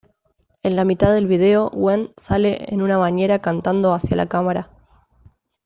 En la mitad del video, Gwen sale en una bañera cantando hacia la cámara.